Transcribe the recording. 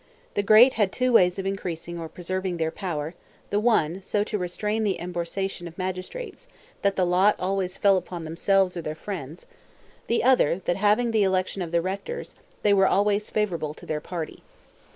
The great had two ways of increasing or preserving their power; the one, so to restrain the emborsation of magistrates, that the lot always fell upon themselves or their friends; the other, that having the election of the rectors, they were always favorable to their party.